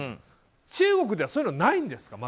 中国ではそういうのないんですか。